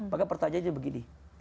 maka pertanyaannya begini